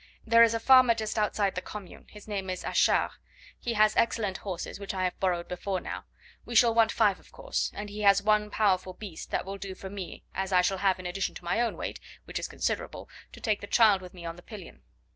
There is a farmer just outside the commune; his name is Achard. He has excellent horses, which I have borrowed before now; we shall want five, of course, and he has one powerful beast that will do for me, as I shall have, in addition to my own weight, which is considerable, to take the child with me on the pillion.